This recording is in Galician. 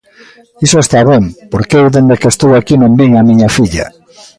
Iso está ben, porque eu dende que estou aquí non vin a miña filla.